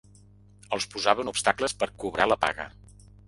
Els posaven obstacles per cobrar la paga